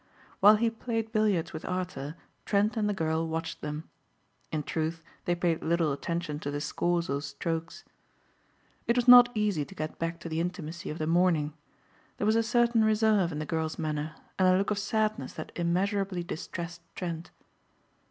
While he played billiards with Arthur, Trent and the girl watched them. In truth they paid little attention to the scores or strokes. It was not easy to get back to the intimacy of the morning. There was a certain reserve in the girl's manner, and a look of sadness that immeasurably distressed Trent.